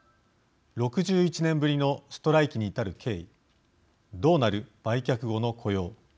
６１年ぶりのストライキに至る経緯どうなる、売却後の雇用